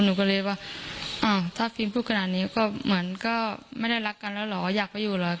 หนูก็เลยว่าอ้าวถ้าฟิล์มพูดขนาดนี้ก็เหมือนก็ไม่ได้รักกันแล้วเหรออยากไปอยู่เหรอ